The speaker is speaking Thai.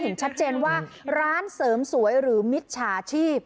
เห็นชัดเจนว่าร้านเสริมสวยหรือมิจฉาชีพ